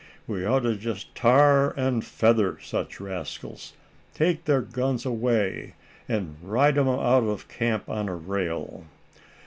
We ought to just tar and feather such rascals, take their guns away, and ride 'em out of camp on a rail."